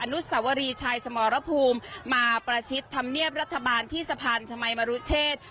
นุสวรีชัยสมรภูมิมาประชิดธรรมเนียบรัฐบาลที่สะพานชมัยมรุเชษ